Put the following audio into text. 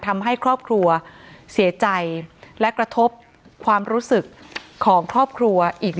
ทำให้ครอบครัวเสียใจและกระทบความรู้สึกของครอบครัวอีก